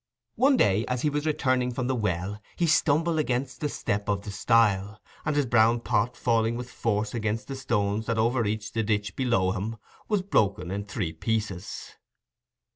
One day as he was returning from the well, he stumbled against the step of the stile, and his brown pot, falling with force against the stones that overarched the ditch below him, was broken in three pieces.